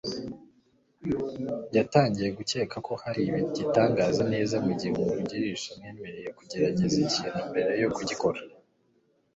Yatangiye gukeka ko hari ibitagenda neza mugihe umugurisha atamwemereye kugerageza ikintu mbere yo kukigura